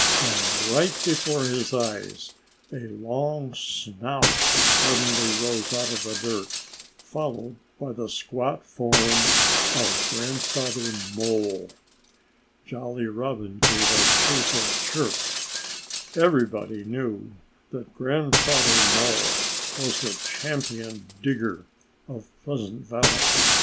And right before his eyes a long snout suddenly rose out of the dirt, followed by the squat form of Grandfather Mole. Jolly Robin gave a cheerful chirp. Everybody knew that Grandfather Mole was the champion digger of Pleasant Valley.